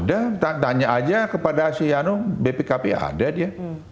ada tanya aja kepada si anu bpkp ada dia